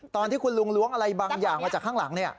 ตอนที่คุณลุงล้วงอะไรบางอย่างมาจากข้างหลัง